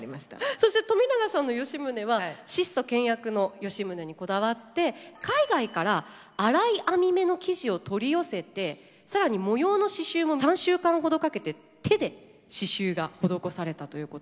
そして冨永さんの吉宗は質素倹約の吉宗にこだわって海外から粗い編み目の生地を取り寄せて更に模様のししゅうも３週間ほどかけて手でししゅうが施されたということですけど。